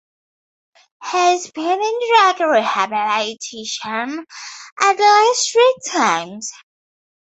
He has been in drug rehabilitation at least three times.